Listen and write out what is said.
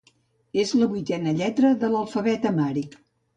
És la vuitena lletra de l'alfabet amhàric.